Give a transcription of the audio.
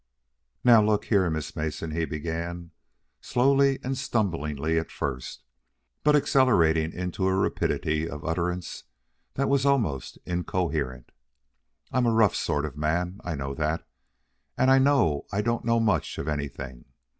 "Now, look here, Miss Mason," he began, slowly and stumblingly at first, but accelerating into a rapidity of utterance that was almost incoherent; "I'm a rough sort of a man, I know that, and I know I don't know much of anything.